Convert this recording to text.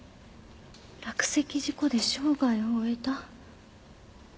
“落石事故で生涯を終えた”？